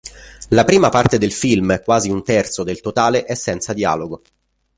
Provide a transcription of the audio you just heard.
La prima parte del film, quasi un terzo del totale, è senza dialogo.